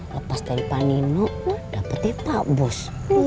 lepas dari pak nino dapetin pak bus